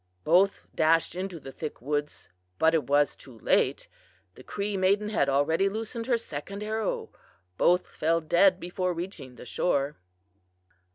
Both dashed into the thick woods, but it was too late. The Cree maiden had already loosened her second arrow. Both fell dead before reaching the shore."